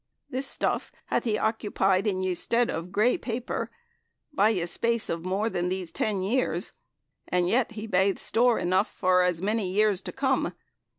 Thys stuffe hathe heoccupyed in yeS stede of greye paper, by yeS, space of more than these ten yeares, and yet he bathe store ynoughe for as manye years to come.